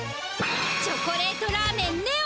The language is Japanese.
チョコレートラーメンＮＥＯ！